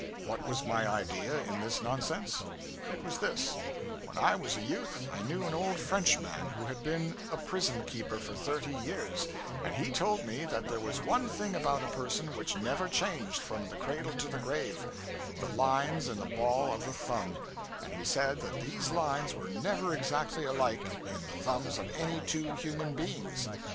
What was my idea in this nonsense? It was this: When I was a youth, I knew an old Frenchman who had been a prison keeper for thirty years, and he told me that there was one thing about a person which never changed, from the cradle to the grave the lines in the ball of the thumb; and he said that these lines were never exactly alike in the thumbs of any two human beings.